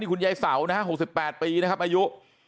นี่คุณยายเสานะครับ๖๘ปีนะครับอายุ